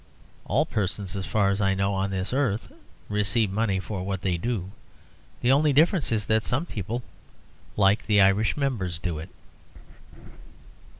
All persons, as far as I know, on this earth receive money for what they do; the only difference is that some people, like the Irish members, do it.